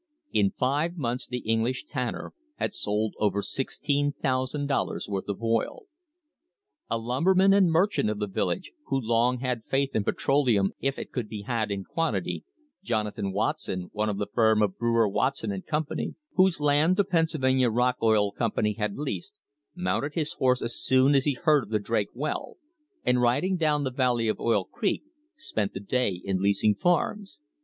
In five months the Eng lish tanner had sold over $16,000 worth of oil. A lumberman and merchant of the village, who long had had faith in petroleum if it could be had in quantity, Jona than Watson, one of the firm of Brewer, Watson and Company, whose land the Pennsylvania Rock Oil Company had leased, mounted his horse as soon as he heard of the Drake well, and, riding down the valley of Oil Creek, spent the day in leasing farms.